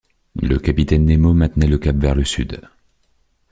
Le capitaine Nemo maintenait le cap vers le sud.